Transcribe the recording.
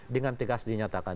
dengan tegas dinyatakan